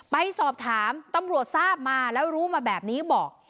ไปสอบถามตำรวจทราบมาแล้วรู้มาแบบนี้บอก